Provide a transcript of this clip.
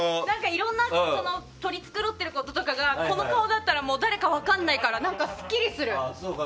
いろんな取り繕ってることとかがこの顔だったら誰か分からないからすっきりする。